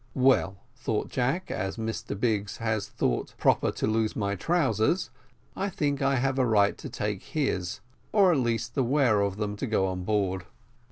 Well, thought Jack, as Mr Biggs has thought proper to lose my trousers, I think I have a right to take his, or at least the wear of them, to go on board.